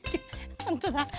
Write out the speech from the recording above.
ほんとだ。